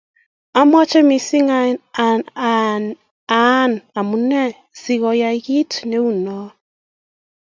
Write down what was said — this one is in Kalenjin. omeche mising anai omunee sikoyai kiit neu noee